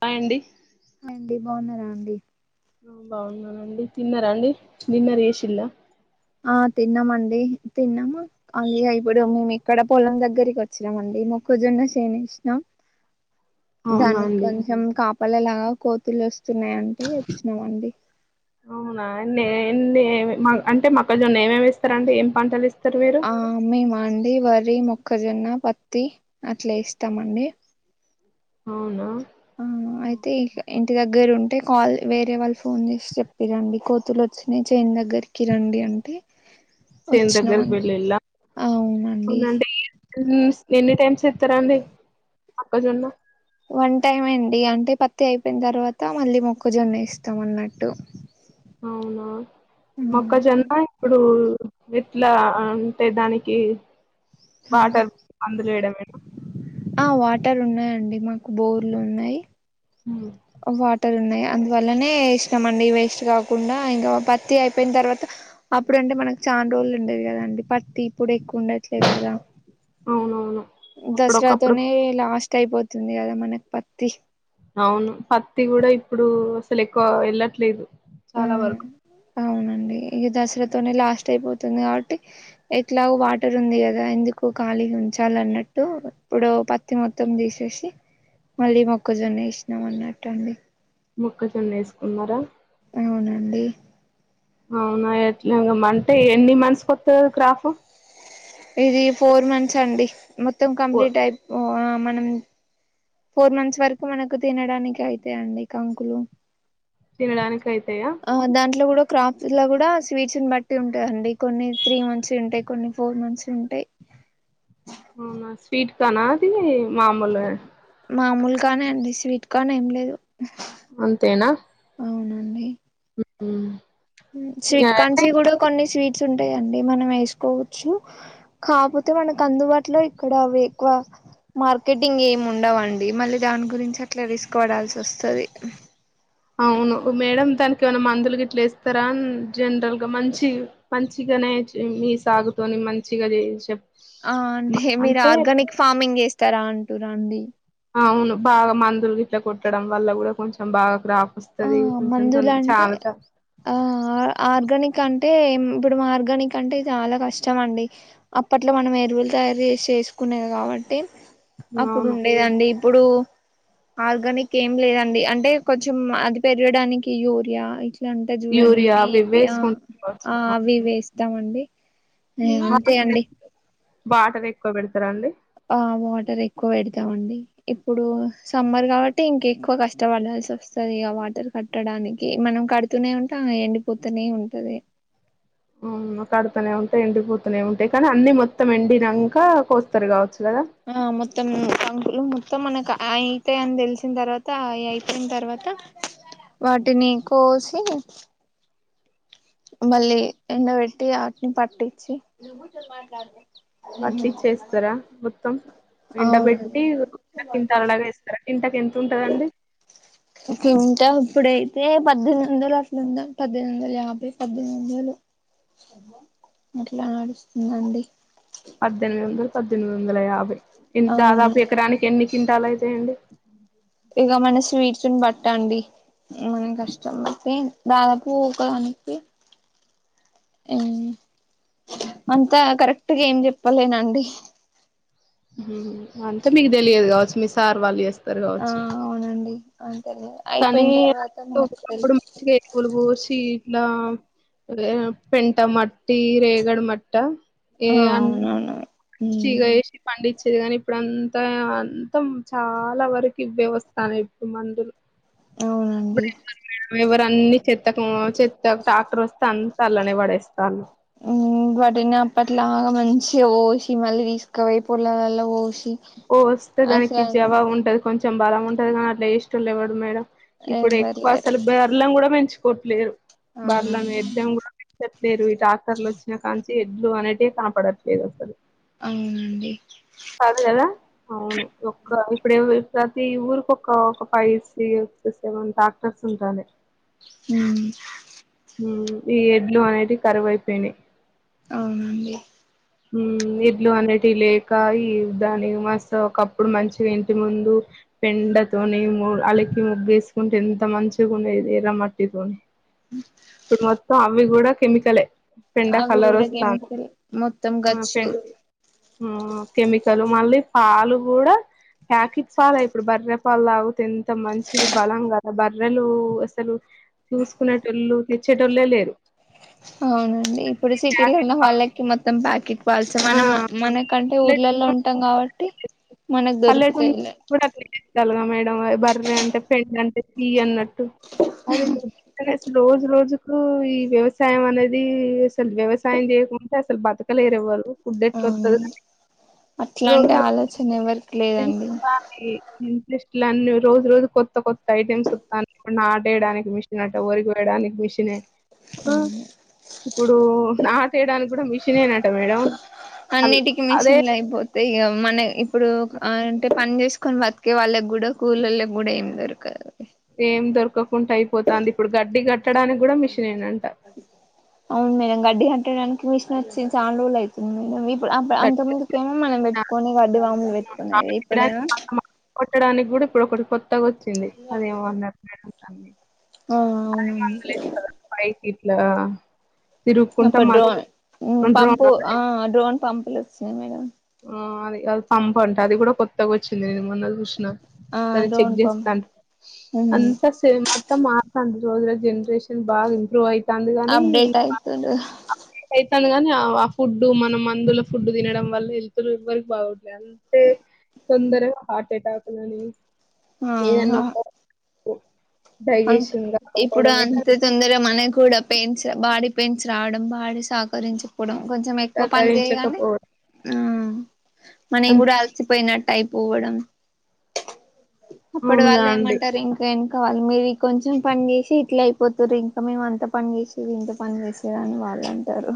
Bye అండి hi అండి బాగున్నారా అండి హా బాగున్నానండి తిన్నారా అండి డిన్నర్ చేసిల్లా ఆ తిన్నామండి తిన్నాము అలా ఇప్పుడు మేము ఇక్కడ పొలం దగ్గరికి వచ్చినం అండి మోక్కజొన్న చెను వేసినాం దానికి అవునండి కొంచెం కాపలలాగా కో పిల్లాస్ వస్తున్నాయండి వచ్చినాయండి ఎన్ని అంటే మొక్కజొన్న ఏమేమి ఎస్తార అంటే ఏం పంటలు ఎస్తారు ఆ మేమ అండి వరి రి మొక్కజొన్న పత్తి అట్లా ఎస్తామండి అవునా ఆ అయితే ఈ ఇంటిద దగ్గర ఉంటే కాల్ వేరే వాళ్ళు ఫోన్ చేసి చెప్పిరండి కోతులు వచ్చినాయి చేన్ దగ్గర చెన్ దగ్గరకి వచ్చినామండి వెళ్ళిళ అవునండి ఎ ఎన్ని టైమ్స్ ఎస్తారా అండి మొక్కజొన్న వన్ టైం అండి అంటే పత్తి అయిపోయిన తర్వాత మళ్ళీ మొక్కజొన్న వేస్తాం అన్నట్టు అవునా మొక్కజొన్న ఇప్పుడు ఎట్ల అంటే దానికి వాటర్ మందులు వేయడంమేన ఆ వాటర్ ఉన్నాయండి మాకు బోర్లు ఉన్నాయి హూ వాటర్ ఉన్నాయి అందువల్లనే ఎసినాం అండి వేస్ట్ కాకుండా ఇంకా పత్తి అయిపోయిన తర్వాత అప్పుడు అంటే మనకు చాలా రోజులు ఉండది కదండి పత్తి ఇప్పుడు ఎక్కువ ఉండట్లేదు కదా అవునవును అప్పుడొకప్పుడు దసరాతోనే లాస్ట్ అయిపోత స్తుంది కదా మనకి పత్తి అవును పత్తి కూడా ఇప్పుడు లేక్కువ వెళ్ళట్లేదు చాలా వరకు ఇలతోనే లాస్ట్ అయిపోతుంది కాబట్టి ఎట్లా వాటర్ ఉంది కదా ఎందుకు ఖాళీ ఉంచాల అన్నట్టు ఇప్పుడు పత్తి మొత్తం తీసేసి మళ్ళీ మొక్కజొన్న ఇసినాం అన్నట్టు అండి మోక్కజొన్న వేస్తున్నారా అవునండి అవునా ఎట్లమ్ అంటే ఎన్ని మంత్స్కి వత్తది అది క్రాఫ్ ఇది ఫోర్ మంత్స్ అండి మో త్తం ఫోర్. కంప్లీట్ అయిపో ఆ మనం ఫోర్ మంత్స్ వరకు మనకు తినడానికి అయితయి అండి కంకులు. తినడానికి అయితయా? క్రాఫ్స్ లో కూడా స్వీట్స్ బట్టి ఉంటాయండి కొన్ని త్రీ మంత్స్ ఉంటాయి కొన్ని ఫోర్ మంత్స్ ఉంటాయి. అవునా స్వీట్ కానా అది మాములా మామూలు కానే అండి స్వీట్ కాన్ ఏం లేదు. అంతేనా మ్మ్ మ్మ్ స్వీట్ కాన్స్ కూడా కొన్ని స్వీట్ స్ ఉంటాయిడి మనం వేసుకోవచ్చు కాపోతే మనకు అందుబాటులో ఇక్కడ అవి ఎక్కువ మార్కెటింగ్ ఏమి ఉండవండి. మళ్ళీ దాని గురించి అట్లా రిస్క్ వడాల్సి వస్తది. ఆ అవును ఓ మేడం తనకి ఏమైనా మందులు గిట్ల ఇస్తారా జనరల్ గా మంచి మంచిగానే మీ సాగుతోని మంచిగా చే చెప్ ఆ అంటే మీరు ఆర్గానిక్ ఫార్మింగ్ చేస్త్ తరా అంటురా అండి. అవును బాగా మందులు గిట్ల కొట్టడం వల్ల కూడా కొంచెం బాగా క్రా ఆ మందులు అంటే ఆ ఆర్గానిక్ కంటే ఇప్పుడు ఆర్గానిక్ అంటే చాలా కష్టం అండి. అప్పట్లో మనం ఎరువులు తయారు చేసి ఏసుకునేది కాబట్టి అప్పుడు అవును ఉండేదండి ఇప్పుడూ ఆర్గానిక్ ఏం లేదండి అంటే కొంచెం అది పెరగడానికి యూరియా ఇ ట్ల ఉంటది చూడండి యూరియా డీ అవి ఏ ఇవి పి ఆ ఆ అవి వేస్ త్తమండి ఏ బాటర్ ఎక్కువ పెడతరా అండి ఆ వాటర్ ఎక్కువ పెడతామండి. ఇప్పుడు సమ్మర్ కాబట్టి ఇంకెక్కువ కష్టపడాల్సి వస్తుది, ఇగ వాటర్ కట్టడానికి మనం కడుతూనే ఉంటే ఆమె ఎండిపోతునే ఉంటది. మ్మ్ కడుతనే ఉంటే ఎండిపోతునే ఉంటాయి కానీ అన్ని మొత్తం ఎండినంక కోస్తరు కావచ్చు‌! ఆ మొత్తం కంకులు తే మనకు అయితయి అని తెల్సిన తర్వాత అవి అయిపోయిన తర్వాత వాటిని కోసి, మళ్ళీ ఎండవెట్టి వాటిని పట్టిచ్చి పట్టిచ్చేస్తారా మొత్తం అవునండి ఎండబెట్టి కింటల్ లాగ ఏస్తరా కింట కెం తుంటదండి తింటా ఇప్పుడైతే పద్దెనిమిది వందలు అట్లుంద పద్దెనిమిది వందలు యాభై పద్దెనిమిది వందలు అట్లా నడుస్తుందండి. పద్దెనిమిది వందలు, పద్దెనిమిది వందల యాభై. ఇన్ దాదాపు అవునండి ఎకరానికి ఎన్ని కింటాలయితయండి ఇగ మన స్వీడ్స్ని బట్టి అండి మన కష్టం బట్టి దాదాపు ఒకదానికి మ్ అంతా కరెక్ట్గా ఏం చెప్పలేనండి. అంత మీకు తెలియదు కావచ్చు మీ సార్ వాళ్ళు చేస్ ఆ అవునండి ఆ తెలియదు. [inaudible] ఇట్లా పెంట మట్టి రేగడ మట్ట ఏ ఆ అన్ అవునవును ఉమ్ తీగ ఏసీ పండి వచ్చేది కానీ ఇప్పుడు అంతా అంతా చాలా వరకు ఇవ్వే వస్తాన్నాయి ఇప్పుడు మందులు అవునండి [unintelligible] అన్ని చెత్తకు చెత్త ట్రాక్టర్ వస్తే అంత అల్లనే పడేస్తండ్లు ఉ వాటినే అప్పట్లాగా మంచిగా పోసి మళ్ళీ తీసుకపోయి పోలాలలో పోసి కోస్తే దానికి అసలు జవాబు ఉంటది కొంచెం కొంచం బలం ఉంటుంది కానీ అట్లా చేసేటోళ్ళు ఎవరున్నారు ఈడ ఇప్పుడు ఎవ్వరు ఎక్కువ లేరు అసలు బర్రెలులను కూడా పెంచు కొట్లేరు బర్రెలు అవునండి పెట్టినం [unintelligible] లేరు డాక్టర్లు వచ్చిన కాడా నుంచి చేడ్లు అనేటివి కనపడట్లేదు అసలు అవునండి కాదు కదా అవును ఒక్క ఇప్పుడు ప్రతి ఊరి ఒక ఒక ఫైవ్ సి సెవెన్ డాక్టర్స్ ఉంటన్నాయ్ ఉమ్ ఉ ఈ ఎడ్లు అనేటివి కరువైపోయినాయి అవునండి ఉమ్ ఎడ్లు అనేటివి లేక ఈ దాని మస్తు ఒకప్పుడు మంచిగా ఇంటి ముందు పెండతోని అలకి ముగ్గుగేసుకుంటే ఎంత మంచిగా ఉండేది ఎర్రమట్టితోని. ఇప్పుడు మొత్తం అవి కూడా కెమికలే పెండ అవి కలర్ కూడా వస్తాంది కెమికల్ ఏ మెత్ ఆ పెన్ ఆ కెమికల్ మళ్ళా పాలు కూడా ప్యాకెట్ పాలే ఇప్పుడు బర్రె పాలతగు ఎంత మంచిది బలం కదా బర్రలు అసలు చూసుకునేటోళ్ళు తెచ్చేటోళ్లే లేరు. అవునండి ఇప్పుడు సిటిలో ప్యాకెట్ ఉన్న పాలు వాళ్ళకి మొత్తం త్తం ప్యాకెట్ పాల్సు ఆ మనం మనకంటే ఊర్లలో ఉంటాం కాబట్టి మనకు పల్లెటూర్లో దొరుకుతాయిలే కూడా అట్లే స్తాలుగా మేడం బర్ర అంటే పెండ అంటే చి అన్నట్టు అదే అసలు రోజు రోజుకు ఈ వ్యవసాయం అనేది అసలు వ్యవసాయం చేయకుంటే అసలు బతకలేరు ఎవ్వరు ఫుడ్ ఎట్లా వత్తది అవునండి రోజు అట్లాంటి రోజు ఆలోచన ఎవరికి లేదండి. ఈ టెస్టులన్నీ రోజు రోజు కొత్త కొత్త ఐటెమ్స్ వత్తాన్నాయి నాటేయడానికి మిషినే అట, వరి కోయడానికి మిషనే అవును ఇప్పుడు నాటేయడానికి కూడా మిషినే అంట మేడం. అన్నిటికి అదే మిషన్లయిపోతే ఇగ. మొన్నే. [unintelligible] ఇప్పుడు అంటే పని చేసు. కాని బతికే వాళ్ళకి కూడా, కూలోళ్ళకి కూడా ఏమ్ దొరకదు. ఏం దొరకకుండా అయిపోతాంది ఇప్పుడు గడ్డిగా గగ్ అవును మళ్ల మధ్యానం. [unintelligible] పెట్టడానికి మెషిన్ వచ్చి చాలారోజులు ఐతుంది మేడమ్ ఇప్. అంత అంత ముందుకేమో మనం పెట్. [unintelligible] పెట్టడానికి కొని వడ్డవాముల పెట్. [inaudible] కొట్టడానికి కూడా ఇప్పుడు ఒకటి కొత్. త్తగ వచ్చింది అదేమోన్నారు మేడం. అన్నీ. ఆ అదే అవునండి మందులేస్తదా పైకిట్లా. అప్పుడు డ్రోన్ పంపు ఆ డ్రోన్ పంపులు వచ్చినాయి మేడమ్. ఆ అది అది పంపు అంట అది కూడా కొత్తగా వచ్చింది నేను మొన్న చూసిన. ఆ దాన్ని చెక్ డ్రోన్ పంప్ చేస్తాంది. ఉమ్, అంతా సేమ్ మొత్తం మారతాంది. రోజు రోజు జనరేషన్ బాగా ఇంప్రూవ్ అయితు అప్డేట్ ఆయితుంది. సర్లేగాని ఆ ఫుడ్ మన మందుల ఫుడ్ తినడం వల్ల ఎంత. ఎవరికి [unintelligible] బాగుండట్లే అంతే తొందరగా హార్ట్ అటాక్ అని ఆ డైజెషన్ ఇప్పుడు కాకపోవడమే అంతే తొందరగా మన కూడా పెయిన్స్ బాడీ పెయిన్స్ రావడం, బాడీ సహకరించపోవడం. కొంచెం ఎక్కువ పని చేయగానే, సహకరించకపోవడం ఆ మనం కూడా అంతే అలసిపోయినట్టు. టైపోవడం అప్పుడు అవునుగా వాళ్ళు అండి ఏమంటారు? ఇంకేం. కావాలి మే [unintelligible] కొంచెం పని చేసి ఇట్లా అయిపోతారు ఇంకా మేము అంత పని చేసి ఇది ఇంత పని చేశాం అని వాళ్ళు అంటారు.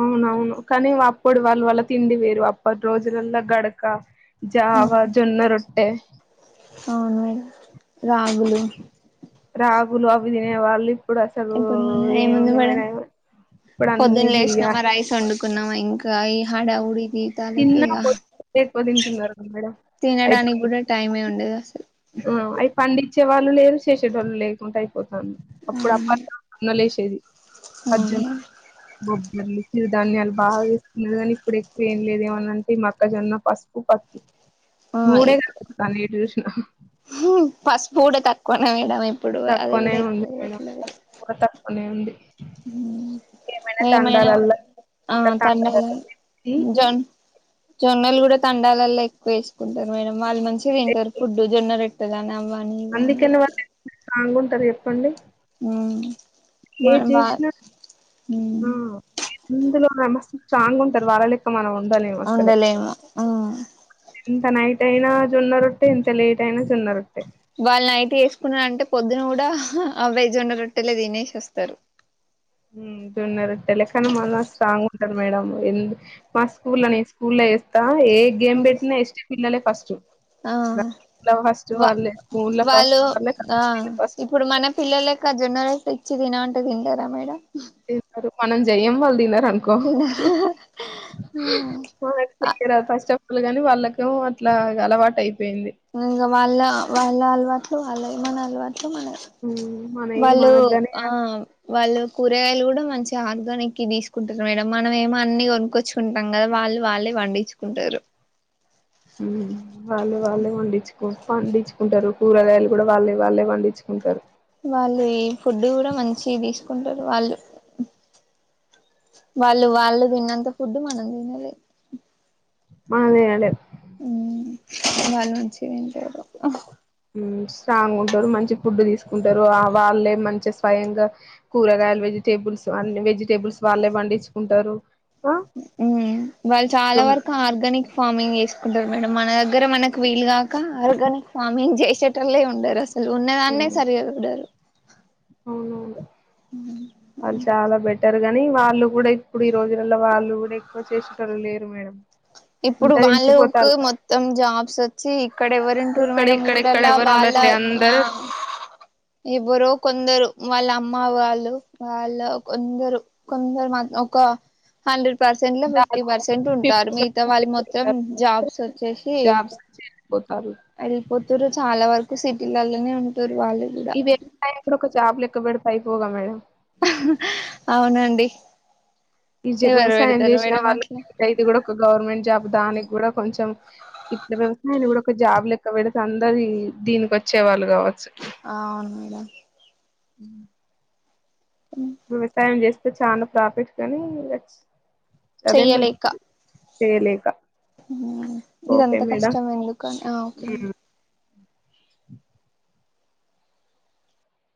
అవునవును. కానీ అప్పుడు వాళ్ళు వాల్ల తిండి వేరు, అప్పటి రోజులల్లో గడక జావ, జొన్న రొట్టె. అవును, మేడమ్ రాగులు. రాగులు అవి తినేవాళ్ళు ఇప్పుడు మ ఏముంది మేడం ఇప్పుడు అన్ని పొద్దున్న లేసినామా బిర్యానీ రైస్ వండుకున్నామా ఇంకా ఇకా ఈ హడావుడి జీవితాలకి తిన్నా ఇక పొద్దు ఎక్కువ తింటున్నారు మేడం అయి తినడానికి కూడా టైమే ఉండదు అసలు ఆ అయి పండిత్ వచ్చే వాళ్ళు లేరూ చేసే టోల్లు లేకుంటె పోతుంది అప్పుడులే [unintelligible] సది [unintelligible] అర్జున్ [unintelligible] మ [unintelligible] మీ దాన్ని అలా బాగా ఇస్తున్నారు కానీ ఇప్పుడు ఎక్కువ ఏం లేదేమనంటే ఈ మొక్కజొన్న పసుపు పత్తి ఆ మూడే కానొత్తన్నాయి ఎటు చూసినా పసుపు కూడా తక్కువనే మేడం ఇప్పుడు అది తక్కువనే కూడా ఉంది ఎక్కువ వేయట్లేదు మేడం అనే ఉంది ఏమైనా ఆ ఒక తండలలో తండాలల్ల పెట్టి జూన్ జోన్నలు కూడా తండాలల్లో ఎక్కువ వేసుకుంటారు మేడం వాళ్ళు మంచి తింటారు ఫుడ్ జోన్న రోటే [unintelligible] అన్న కింద పడ్డట్టున్నాయిగా బాగా ఉంటే చెప్పండి ఉవ్ మన ఏది బాస్ హ్మ్మ్ ఇందులో మన మాస్త్ స్ట్రాంగ్ ఉంటారు వాళ్ళ లెక్క మనంఉ ఉండలేమువు ఇంత నైట్ అయినా జున్న రొట్టె ఇంత లేట్ అయినా జోన్న రొట్టె వాళ్ళు నైట్ చేసుకున్నారంటే పొద్దున్న కూడా అవె జొన్న రొట్టెలే తినేసి వస్తారు జొన్న రొట్టె లె కానీ మళ్ళ స్ట్రాంగ్ ఉంటారు మేడం మా స్కూలో నేను స్కూల్లో చేస్తా ఏ గేమ్ పెట్టినా ఎస్టీ పిల్లలే ఫస్ట్ ఆ ద వా ఫస్ట్వాళ్ళే ఊర్లో వాళ్ళు ఫస్ట్ వాళ్ళే ఆ స్కూల్ లో ఫస్ట్ తెచ్చి తినమంటే తినలేరా మేడం పేపరు మనం చేయం వాళ్ళు తినరు అనుకో వాళ్ళు ఎక్కడానికి బస్సు స్టాప్ అల్లుడు అని వాళ్ళకేమో అట్లా అలవాటు అయింది ఇక వాళ్ళ వాళ్ళ అలవాటు సో వాళ్ళయే మన అలవాటు హ్మ్ మనయి వాళ్ళు మనకుగాని ఆ వాళ్ళు కూరగాయలు గూడా మంచి ఆర్గానిక్ తీసుకుంటరు మేడం మనం ఏమో అన్ని కొనుక్కొచ్చుకుంటాం గదా వాళ్ళు వాళ్ళే పండించుకుంటురు ఉమ్ వాళ్ళు వాళ్ళే వడ్డీ చు పండించుకుంటరు కూరగాయలు కూడా వాళ్ళే వాళ్ళే పండించుకుంటరు వాళ్ళు ఈ ఫుడ్ కూడా మంచి తీసుకుంటారు వాళ్ళు వాళ్ళు వాళ్ళు తిన్నంత ఫుడ్ మనం తినలేమ్ మనంమ్ తిన్లేమ్ మ్ వాళ్ళు మంచి తింటరు ము స్ట్రాంగ్ ఉంటరు మంచి ఫుడ్ తీసుకుంటారు ఆ వాళ్ళే మంచిగా స్వయంగా కూరగాయలు వెజిటేబుల్స్ అన్ని వెజిటేబుల్స్ వాళ్ళే పండించుకుంటరు మ్ వాళ్ళు చాలా వరకు ఆర్గానిక్ ఫార్మింగ్ చేసుకుంటరు మేడం మన దగ్గర మనకు వీలు గాక ఆర్గానిక్ ఫార్మింగ్ చేసేటో లే ఉండరు అసలు ఉన్నదాన్నే సరిగాచూడరు అవునవును వాళ్ళు చాలా బెటర్ గాని వాళ్ళు కూడా ఇప్పుడు ఈ రోజులలో వాళ్ళు గూడా ఎక్కువ చేసేటోలు లేరు మేడం ఇప్పుడు అంతా వాళ్ళకు ఇంచిపోతారు మొత్తం జాబ్స్ వచ్చి ఇక్కడ ఎవరుంటురు ఇక్కడ మేడం ఇక్కడ ఇక్కడ ఊళ్ళలా ఎవరు వాళ్ళఆ ఉండట్లే అందరు ఎవరో కొందరు వాళ్ళ అమ్మ వాళ్ళు వాళ్ళ కొందరు కొందరు మా ఒక హండ్రె పర్సెంట్ లో ఫిఫ్టీ పర్సెంట్ ఉంటారు మీ వాళ్ళు మొత్తం జాబ్స్ వచ్చేసి పోతారు దరు చాలా వరకు సిటీలలోనే ఉంటురు వాళ్ళు కూడా ఈ వ్యవసాయం కూడ ఒక జాబ్ లెక్కా పెడితే అయోపోవుగా మేడమ్ అవునండి ఈజ ఎవరు వ్యవసాయం పెడతారు చేసిన మేడం వాళ్ళు అట్లా ఇది కూడా ఒక గవర్నమెంట్ జాబ్ దానికి గూడా కొంచెం ఇప్ వ్యవసాయం కూడా ఒక జాబ్ లెక్క ఇట్ల పెడితే అందరు దీనికి వచ్చే వాళ్ళు కావచ్చు అవును మేడం ఉమ్ వ్యవసాయం చేస్తే చాలా ప్రాఫిట్స్ గానీ చేయలేక చేయలేక మ్ ఇగ అంత ఓకే మేడం కష్టం ఎందుకని అ ఓకే అండి [inaudible]